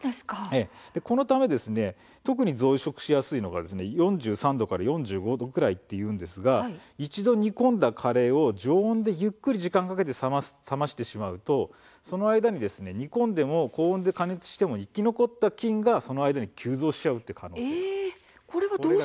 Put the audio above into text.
このため、特に増殖しやすいのが４３度から４５度くらい、一度煮込んだカレーを常温でゆっくり時間をかけて冷ましてしまうとその間に煮込んでも高温で加熱しても生き残った菌がその間に急増する可能性があるんです。